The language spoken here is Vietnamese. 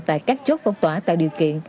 tại các chốt phong tỏa tạo điều kiện